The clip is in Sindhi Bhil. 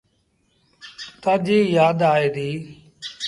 تآجيٚ يآد آئي دي۔